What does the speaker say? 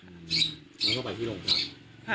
แล้วก็ไปที่โรงพัก